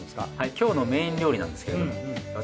今日のメイン料理なんですけど私